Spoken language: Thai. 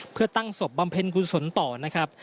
เพื่อตั้งศพบำเพ็ญกุศลต่อนะครับ